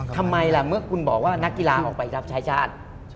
ทำไมล่ะเมื่อคุณบอกว่านักกีฬาออกไปรับใช้ชาติ